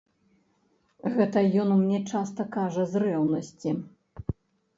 Гэта ён мне часта кажа з рэўнасці.